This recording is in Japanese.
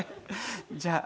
じゃあ。